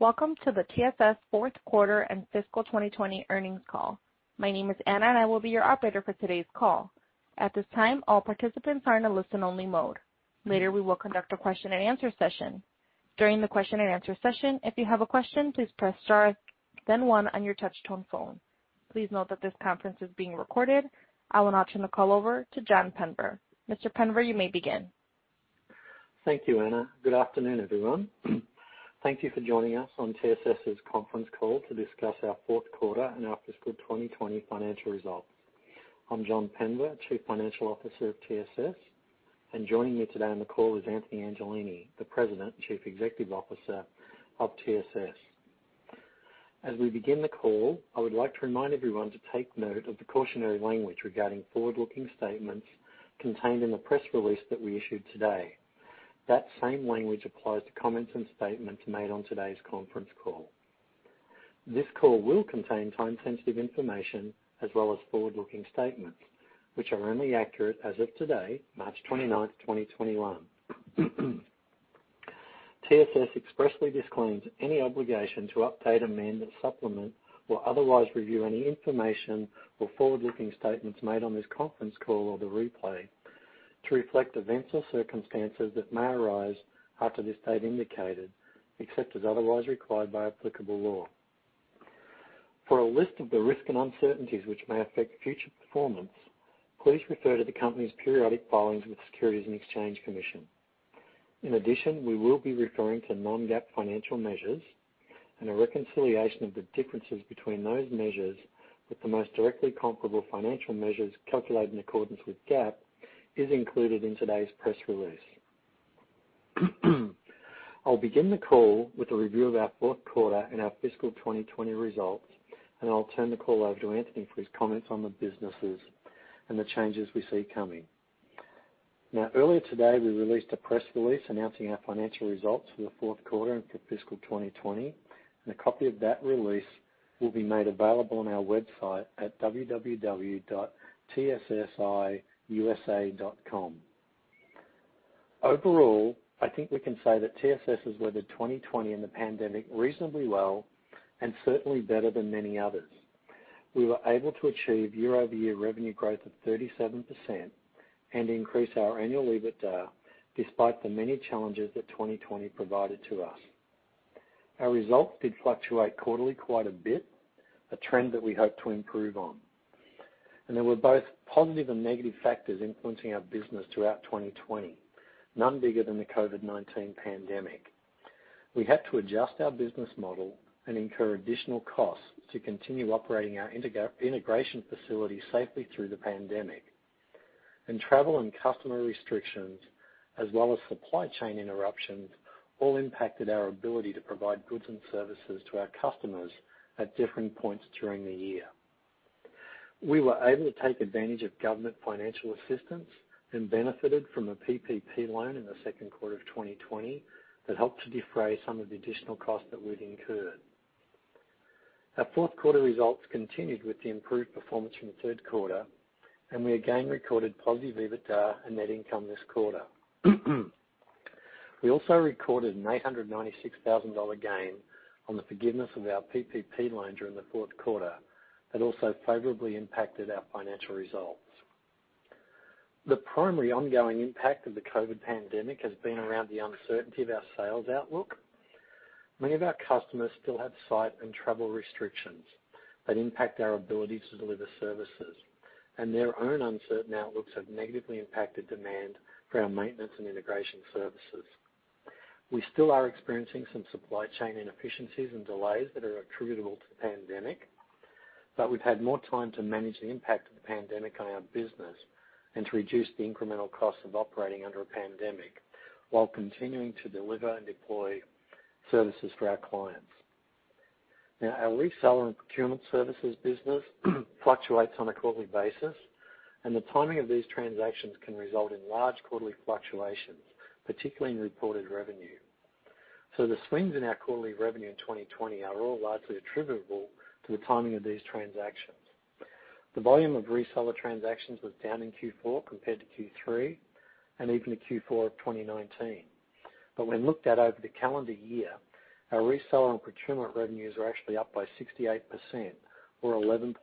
Welcome to the TSS fourth quarter and fiscal 2020 earnings call. My name is Anna, and I will be your operator for today's call. At this time, all participants are in a listen-only mode. Later, we will conduct a question-and-answer session. During the question-and-answer session, if you have a question, please press star then one on your touch-tone phone. Please note that this conference is being recorded. I will now turn the call over to John Penver. Mr. Penver, you may begin. Thank you, Anna. Good afternoon, everyone. Thank you for joining us on TSS's conference call to discuss our fourth quarter and our fiscal 2020 financial results. I'm John Penver, Chief Financial Officer of TSS, and joining me today on the call is Anthony Angelini, the President and Chief Executive Officer of TSS. As we begin the call, I would like to remind everyone to take note of the cautionary language regarding forward-looking statements contained in the press release that we issued today. That same language applies to comments and statements made on today's conference call. This call will contain time-sensitive information as well as forward-looking statements, which are only accurate as of today, March 29th, 2021. TSS expressly disclaims any obligation to update, amend, supplement, or otherwise review any information or forward-looking statements made on this conference call or the replay to reflect events or circumstances that may arise after this date indicated, except as otherwise required by applicable law. For a list of the risks and uncertainties which may affect future performance, please refer to the company's periodic filings with the Securities and Exchange Commission. In addition, we will be referring to non-GAAP financial measures, and a reconciliation of the differences between those measures with the most directly comparable financial measures calculated in accordance with GAAP is included in today's press release. I'll begin the call with a review of our fourth quarter and our fiscal 2020 results, and I'll turn the call over to Anthony for his comments on the businesses and the changes we see coming. Now, earlier today, we released a press release announcing our financial results for the fourth quarter and for fiscal 2020, and a copy of that release will be made available on our website at www.tssiusa.com. Overall, I think we can say that TSS has weathered 2020 and the pandemic reasonably well and certainly better than many others. We were able to achieve year-over-year revenue growth of 37% and increase our annual EBITDA despite the many challenges that 2020 provided to us. Our results did fluctuate quarterly quite a bit, a trend that we hope to improve on. And there were both positive and negative factors influencing our business throughout 2020, none bigger than the COVID-19 pandemic. We had to adjust our business model and incur additional costs to continue operating our integration facility safely through the pandemic. nd travel and customer restrictions, as well as supply chain interruptions, all impacted our ability to provide goods and services to our customers at different points during the year. We were able to take advantage of government financial assistance and benefited from a PPP loan in the second quarter of 2020 that helped to defray some of the additional costs that we'd incurred. Our fourth quarter results continued with the improved performance from the third quarter, and we again recorded positive EBITDA and net income this quarter. We also recorded an $896,000 gain on the forgiveness of our PPP loan during the fourth quarter that also favorably impacted our financial results. The primary ongoing impact of the COVID pandemic has been around the uncertainty of our sales outlook. Many of our customers still have site and travel restrictions that impact our ability to deliver services, and their own uncertain outlooks have negatively impacted demand for our maintenance and integration services. We still are experiencing some supply chain inefficiencies and delays that are attributable to the pandemic, but we've had more time to manage the impact of the pandemic on our business and to reduce the incremental costs of operating under a pandemic while continuing to deliver and deploy services for our clients. Now, our reseller and procurement services business fluctuates on a quarterly basis, and the timing of these transactions can result in large quarterly fluctuations, particularly in reported revenue. So the swings in our quarterly revenue in 2020 are all largely attributable to the timing of these transactions. The volume of reseller transactions was down in Q4 compared to Q3 and even to Q4 of 2019. But when looked at over the calendar year, our reseller and procurement revenues were actually up by 68%, or $11.6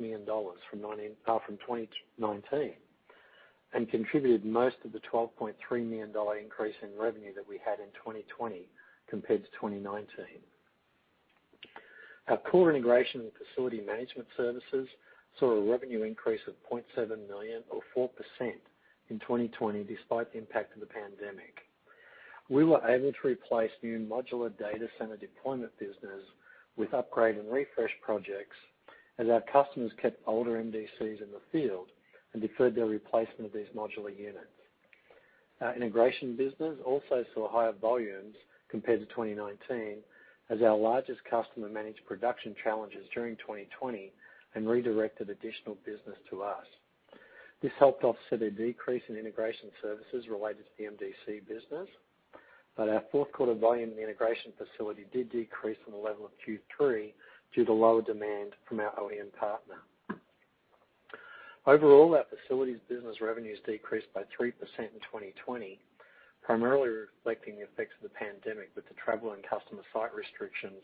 million from 2019, and contributed most of the $12.3 million increase in revenue that we had in 2020 compared to 2019. Our core integration and facility management services saw a revenue increase of $0.7 million, or 4%, in 2020 despite the impact of the pandemic. We were able to replace new modular data center deployment business with upgrade and refresh projects as our customers kept older MDCs in the field and deferred their replacement of these modular units. Our integration business also saw higher volumes compared to 2019 as our largest customer managed production challenges during 2020 and redirected additional business to us. This helped offset a decrease in integration services related to the MDC business, but our fourth quarter volume and integration facilities did decrease from the level of Q3 due to lower demand from our OEM partner. Overall, our facilities business revenues decreased by 3% in 2020, primarily reflecting the effects of the pandemic with the travel and customer site restrictions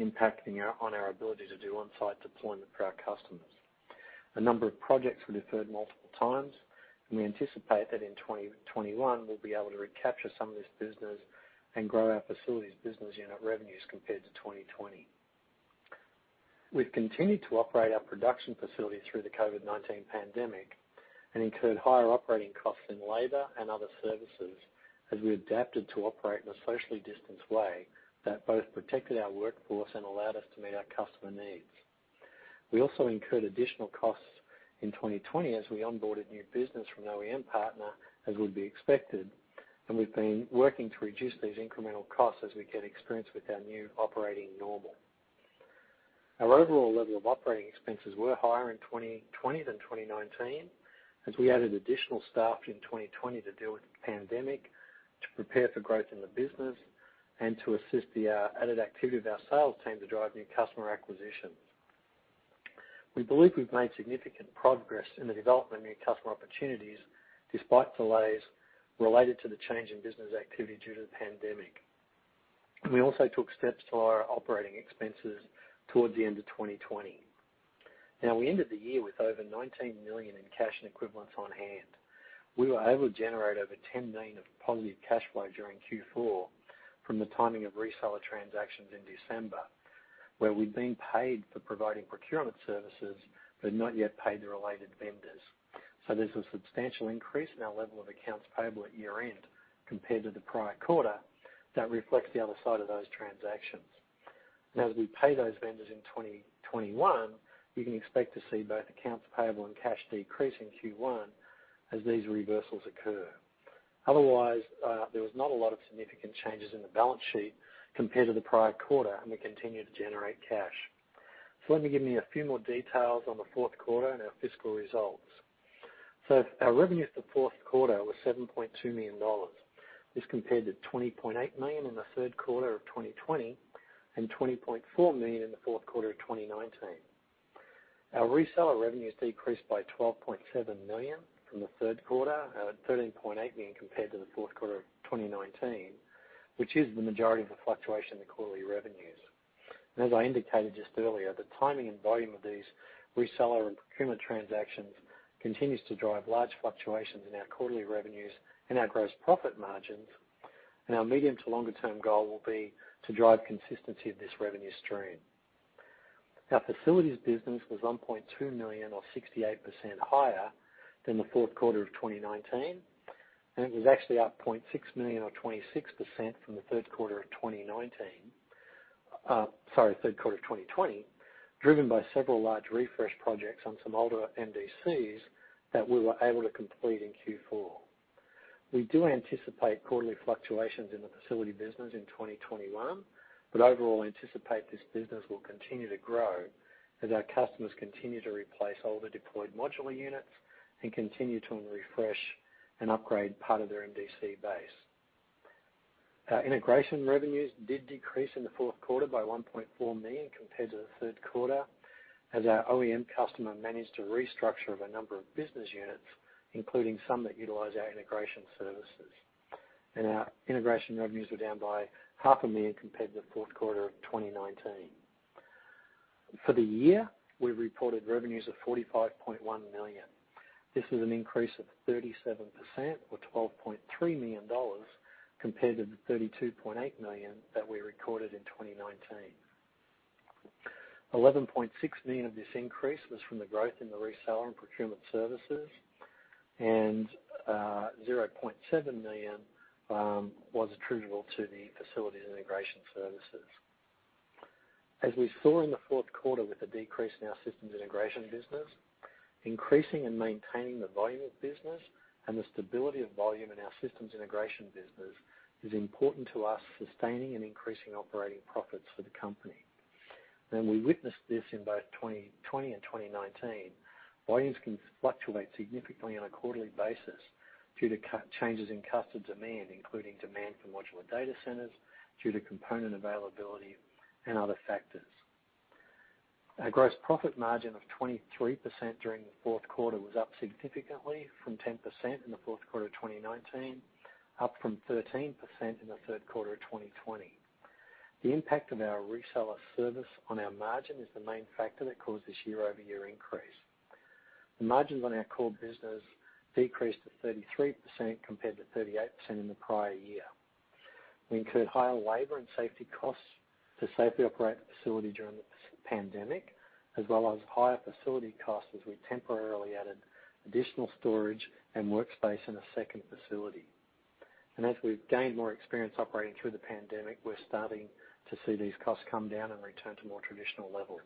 impacting on our ability to do on-site deployment for our customers. A number of projects were deferred multiple times, and we anticipate that in 2021 we'll be able to recapture some of this business and grow our facilities business unit revenues compared to 2020. We've continued to operate our production facility through the COVID-19 pandemic and incurred higher operating costs in labor and other services as we adapted to operate in a socially distanced way that both protected our workforce and allowed us to meet our customer needs. We also incurred additional costs in 2020 as we onboarded new business from an OEM partner, as would be expected, and we've been working to reduce these incremental costs as we get experience with our new operating normal. Our overall level of operating expenses were higher in 2020 than 2019 as we added additional staff in 2020 to deal with the pandemic, to prepare for growth in the business, and to assist the added activity of our sales team to drive new customer acquisitions. We believe we've made significant progress in the development of new customer opportunities despite delays related to the change in business activity due to the pandemic. We also took steps to lower our operating expenses towards the end of 2020. Now, we ended the year with over $19 million in cash and equivalents on hand. We were able to generate over $10 million of positive cash flow during Q4 from the timing of reseller transactions in December, where we'd been paid for providing procurement services but not yet paid the related vendors. So there's a substantial increase in our level of accounts payable at year-end compared to the prior quarter that reflects the other side of those transactions. And as we pay those vendors in 2021, you can expect to see both accounts payable and cash decrease in Q1 as these reversals occur. Otherwise, there was not a lot of significant changes in the balance sheet compared to the prior quarter, and we continued to generate cash. So let me give you a few more details on the fourth quarter and our fiscal results. So our revenues for the fourth quarter were $7.2 million. This compared to $20.8 million in the third quarter of 2020 and $20.4 million in the fourth quarter of 2019. Our reseller revenues decreased by $12.7 million from the third quarter, $13.8 million compared to the fourth quarter of 2019, which is the majority of the fluctuation in the quarterly revenues. And as I indicated just earlier, the timing and volume of these reseller and procurement transactions continues to drive large fluctuations in our quarterly revenues and our gross profit margins, and our medium to longer-term goal will be to drive consistency of this revenue stream. Our facilities business was $1.2 million, or 68%, higher than the fourth quarter of 2019, and it was actually up $0.6 million, or 26%, from the third quarter of 2019, sorry, third quarter of 2020, driven by several large refresh projects on some older MDCs that we were able to complete in Q4. We do anticipate quarterly fluctuations in the facility business in 2021, but overall anticipate this business will continue to grow as our customers continue to replace older deployed modular units and continue to refresh and upgrade part of their MDC base. Our integration revenues did decrease in the fourth quarter by $1.4 million compared to the third quarter as our OEM customer managed a restructure of a number of business units, including some that utilize our integration services, and our integration revenues were down by $500,000 compared to the fourth quarter of 2019. For the year, we reported revenues of $45.1 million. This was an increase of 37%, or $12.3 million, compared to the $32.8 million that we recorded in 2019. $11.6 million of this increase was from the growth in the reseller and procurement services, and $0.7 million was attributable to the facilities integration services. As we saw in the fourth quarter with the decrease in our systems integration business, increasing and maintaining the volume of business and the stability of volume in our systems integration business is important to us, sustaining and increasing operating profits for the company. And we witnessed this in both 2020 and 2019. Volumes can fluctuate significantly on a quarterly basis due to changes in customer demand, including demand for modular data centers due to component availability and other factors. Our gross profit margin of 23% during the fourth quarter was up significantly from 10% in the fourth quarter of 2019, up from 13% in the third quarter of 2020. The impact of our reseller service on our margin is the main factor that caused this year-over-year increase. The margins on our core business decreased to 33% compared to 38% in the prior year. We incurred higher labor and safety costs to safely operate the facility during the pandemic, as well as higher facility costs as we temporarily added additional storage and workspace in a second facility, and as we've gained more experience operating through the pandemic, we're starting to see these costs come down and return to more traditional levels.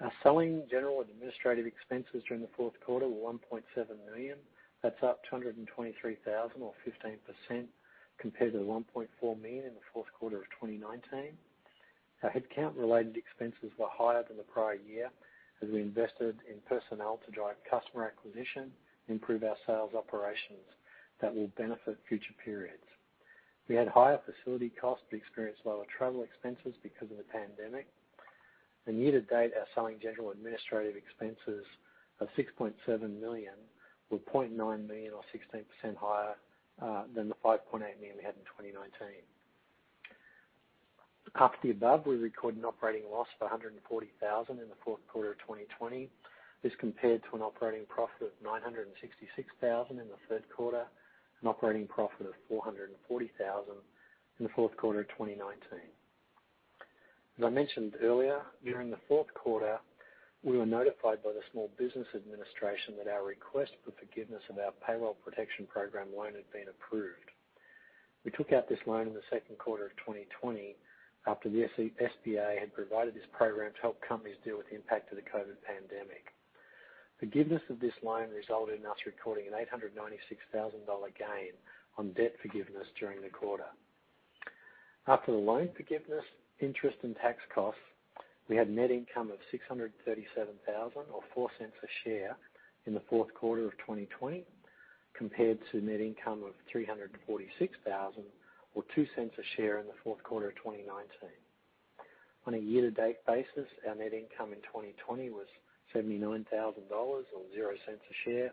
Our selling general administrative expenses during the fourth quarter were $1.7 million. That's up $223,000, or 15%, compared to the $1.4 million in the fourth quarter of 2019. Our headcount-related expenses were higher than the prior year as we invested in personnel to drive customer acquisition and improve our sales operations that will benefit future periods. We had higher facility costs but experienced lower travel expenses because of the pandemic. Year-to-date, our selling general administrative expenses of $6.7 million were $0.9 million, or 16%, higher than the $5.8 million we had in 2019. After the above, we recorded an operating loss of $140,000 in the fourth quarter of 2020. This compared to an operating profit of $966,000 in the third quarter and an operating profit of $440,000 in the fourth quarter of 2019. As I mentioned earlier, during the fourth quarter, we were notified by the Small Business Administration that our request for forgiveness of our Paycheck Protection Program loan had been approved. We took out this loan in the second quarter of 2020 after the SBA had provided this program to help companies deal with the impact of the COVID pandemic. Forgiveness of this loan resulted in us recording an $896,000 gain on debt forgiveness during the quarter. After the loan forgiveness, interest and tax costs, we had net income of $637,000, or $0.04 a share in the fourth quarter of 2020, compared to net income of $346,000, or $0.02 a share in the fourth quarter of 2019. On a year-to-date basis, our net income in 2020 was $79,000, or $0.00 a share.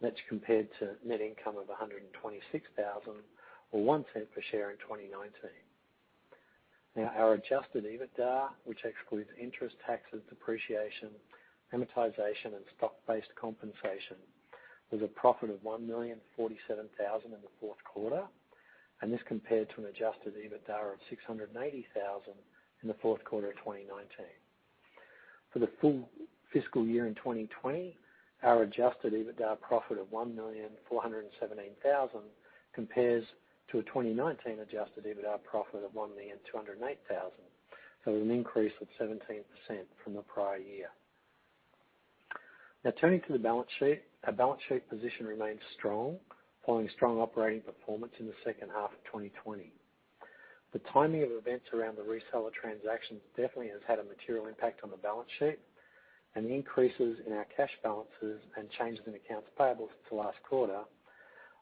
That's compared to net income of $126,000, or $0.01 per share in 2019. Now, our Adjusted EBITDA, which excludes interest, taxes, depreciation, amortization, and stock-based compensation, was a profit of $1,047,000 in the fourth quarter, and this compared to an Adjusted EBITDA of $680,000 in the fourth quarter of 2019. For the full fiscal year in 2020, our Adjusted EBITDA profit of $1,417,000 compares to a 2019 Adjusted EBITDA profit of $1,208,000. So there's an increase of 17% from the prior year. Now, turning to the balance sheet, our balance sheet position remains strong, following strong operating performance in the second half of 2020. The timing of events around the reseller transactions definitely has had a material impact on the balance sheet, and the increases in our cash balances and changes in accounts payable for the last quarter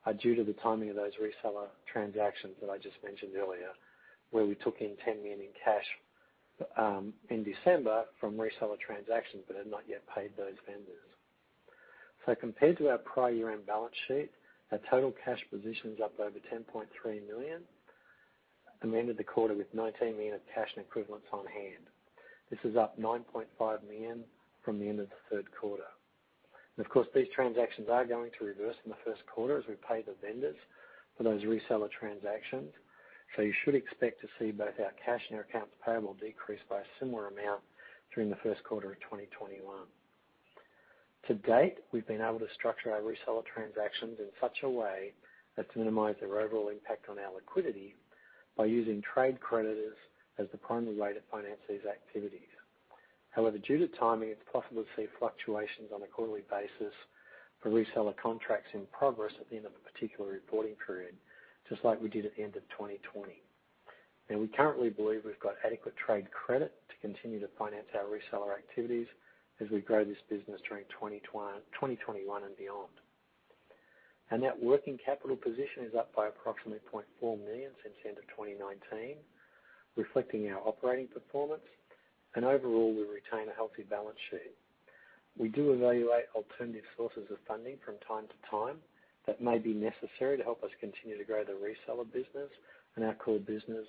are due to the timing of those reseller transactions that I just mentioned earlier, where we took in $10 million in cash in December from reseller transactions but had not yet paid those vendors. So compared to our prior year-end balance sheet, our total cash position is up over $10.3 million at the end of the quarter with $19 million of cash and equivalents on hand. This is up $9.5 million from the end of the third quarter. And of course, these transactions are going to reverse in the first quarter as we pay the vendors for those reseller transactions. So you should expect to see both our cash and our accounts payable decrease by a similar amount during the first quarter of 2021. To date, we've been able to structure our reseller transactions in such a way as to minimize their overall impact on our liquidity by using trade creditors as the primary way to finance these activities. However, due to timing, it's possible to see fluctuations on a quarterly basis for reseller contracts in progress at the end of a particular reporting period, just like we did at the end of 2020. Now, we currently believe we've got adequate trade credit to continue to finance our reseller activities as we grow this business during 2021 and beyond. Our net working capital position is up by approximately $0.4 million since the end of 2019, reflecting our operating performance, and overall, we retain a healthy balance sheet. We do evaluate alternative sources of funding from time to time that may be necessary to help us continue to grow the reseller business and our core business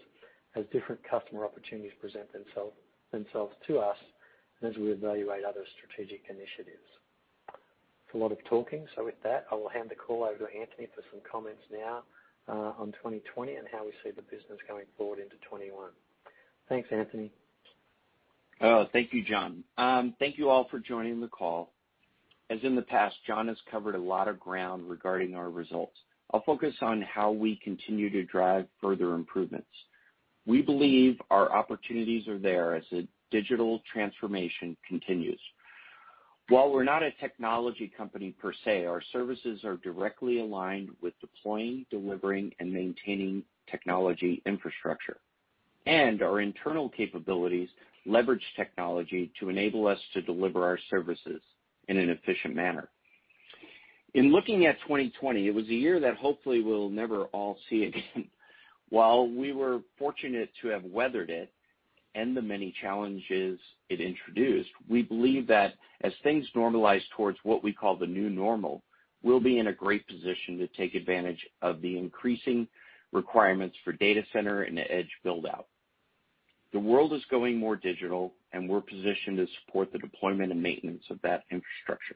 as different customer opportunities present themselves to us as we evaluate other strategic initiatives. It's a lot of talking, so with that, I will hand the call over to Anthony for some comments now on 2020 and how we see the business going forward into 2021. Thanks, Anthony. Thank you, John. Thank you all for joining the call. As in the past, John has covered a lot of ground regarding our results. I'll focus on how we continue to drive further improvements. We believe our opportunities are there as the digital transformation continues. While we're not a technology company per se, our services are directly aligned with deploying, delivering, and maintaining technology infrastructure, and our internal capabilities leverage technology to enable us to deliver our services in an efficient manner. In looking at 2020, it was a year that hopefully we'll never all see again. While we were fortunate to have weathered it and the many challenges it introduced, we believe that as things normalize towards what we call the new normal, we'll be in a great position to take advantage of the increasing requirements for data center and edge build-out. The world is going more digital, and we're positioned to support the deployment and maintenance of that infrastructure.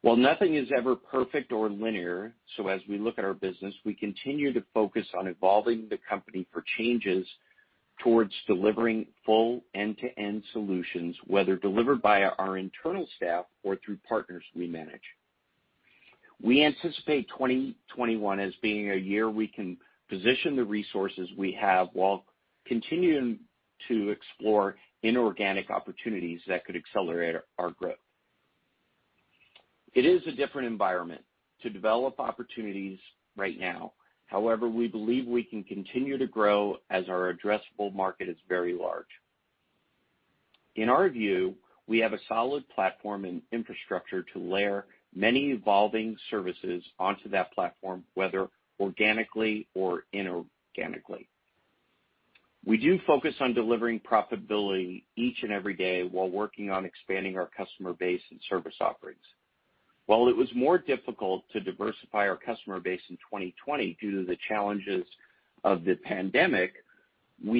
While nothing is ever perfect or linear, so as we look at our business, we continue to focus on evolving the company for changes towards delivering full end-to-end solutions, whether delivered by our internal staff or through partners we manage. We anticipate 2021 as being a year we can position the resources we have while continuing to explore inorganic opportunities that could accelerate our growth. It is a different environment to develop opportunities right now. However, we believe we can continue to grow as our addressable market is very large. In our view, we have a solid platform and infrastructure to layer many evolving services onto that platform, whether organically or inorganically. We do focus on delivering profitability each and every day while working on expanding our customer base and service offerings. While it was more difficult to diversify our customer base in 2020 due to the challenges of the pandemic and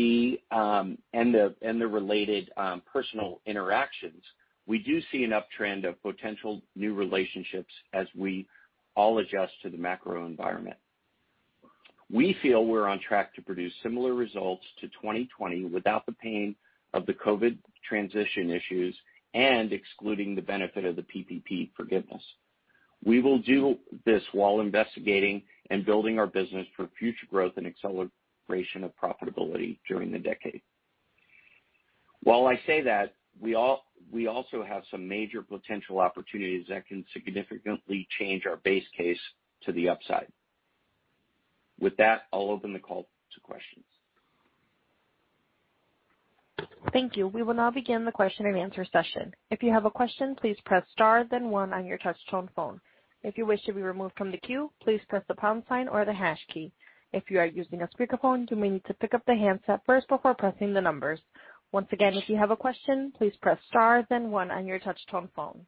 the related personal interactions, we do see an uptrend of potential new relationships as we all adjust to the macro environment. We feel we're on track to produce similar results to 2020 without the pain of the COVID transition issues and excluding the benefit of the PPP forgiveness. We will do this while investigating and building our business for future growth and acceleration of profitability during the decade. While I say that, we also have some major potential opportunities that can significantly change our base case to the upside. With that, I'll open the call to questions. Thank you. We will now begin the question and answer session. If you have a question, please press star, then one on your touch-tone phone. If you wish to be removed from the queue, please press the pound sign or the hash key. If you are using a speakerphone, you may need to pick up the handset first before pressing the numbers. Once again, if you have a question, please press star, then one on your touch-tone phone.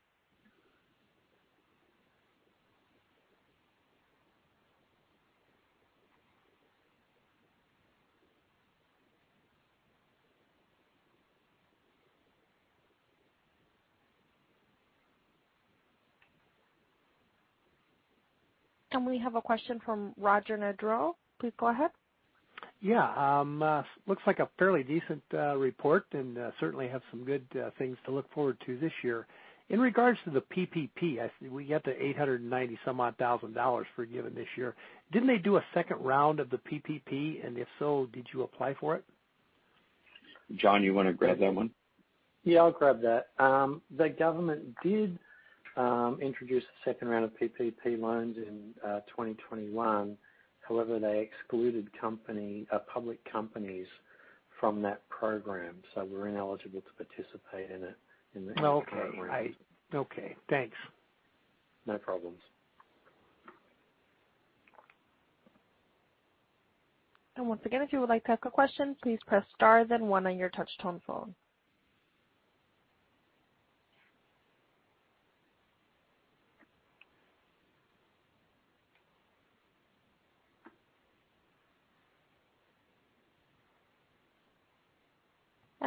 And we have a question from Roger Nedrol. Please go ahead. Yeah. Looks like a fairly decent report and certainly have some good things to look forward to this year. In regards to the PPP, we got the $890-some-odd thousand dollars forgiven this year. Didn't they do a second round of the PPP? And if so, did you apply for it? John, you want to grab that one? Yeah, I'll grab that. The government did introduce a second round of PPP loans in 2021. However, they excluded public companies from that program, so we're ineligible to participate in it in the current program. Okay. Okay. Thanks. No problems. Once again, if you would like to ask a question, please press star, then one on your touch-tone phone.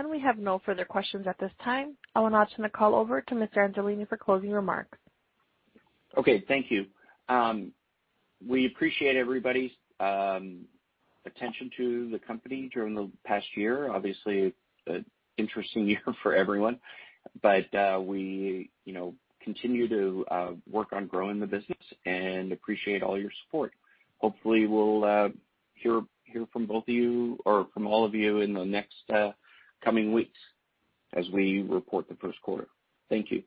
We have no further questions at this time. I will now turn the call over to Mr. Angelini for closing remarks. Okay. Thank you. We appreciate everybody's attention to the company during the past year. Obviously, an interesting year for everyone. But we continue to work on growing the business and appreciate all your support. Hopefully, we'll hear from both of you or from all of you in the next coming weeks as we report the first quarter. Thank you.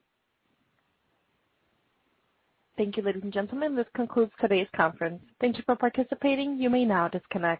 Thank you, ladies and gentlemen. This concludes today's conference. Thank you for participating. You may now disconnect.